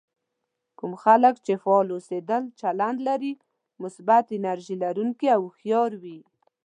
کوم خلک چې فعال اوسېدو چلند لري مثبت، انرژي لرونکي او هوښيار وي.